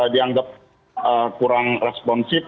dianggap kurang responsif